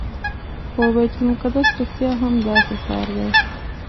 خو بیت المقدس رښتیا هم داسې ښار دی.